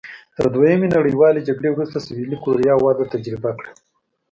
تر دویمې نړیوالې جګړې وروسته سوېلي کوریا وده تجربه کړه.